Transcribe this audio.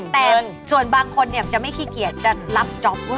แต่ส่วนบางคนจะไม่ขี้เกียจจะรับจ๊อป